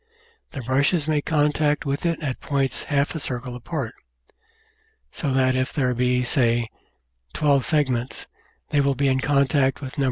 The brushes make contact with it at points half a circle apart, so that if there be, say, twelve segments, they will be in contact with Nos.